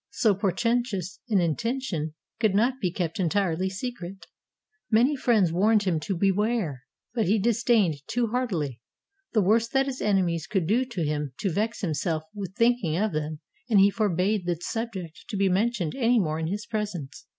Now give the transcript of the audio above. So portentous an intention could not be kept entirely secret; many friends warned him to beware; but he disdained too heartily the worst that his enemies could do to him to vex himself with thinking of them, and he forbade the subject to be mentioned any more in his presence.